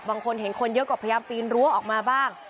บางคนเห็นคนเยอะก็พยายามปีนรั้วออกมาบ้าง